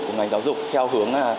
của ngành giáo dục theo hướng